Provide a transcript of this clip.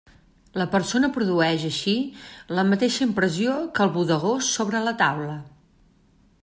La persona produeix, així, la mateixa impressió que el bodegó sobre la taula.